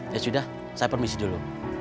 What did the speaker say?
ya sudah saya permisi dulu